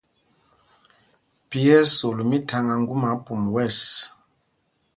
Phī ɛ́ ɛ́ sol mítháŋá ŋgúma pum wɛ̂ɛs.